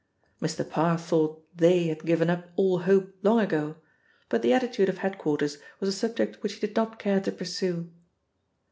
Mr. Parr thought "they" had given up all hope long ago, but the attitude of head quarters was a subject which he did not care to pursue.